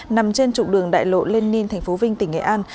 nằm trên trụ đường đại lộ lên ninh tp vinh tỉnh nghệ an